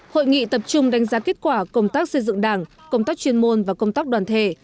hội nghị tập trung đánh giá kết quả công tác xây dựng đảng công tác chuyên môn và công tác đoàn thể